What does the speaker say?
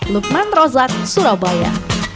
lukman rozak surabaya